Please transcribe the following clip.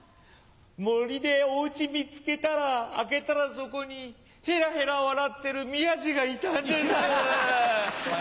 森でお家見つけたら開けたらそこにヘラヘラ笑ってる宮治がいたんです。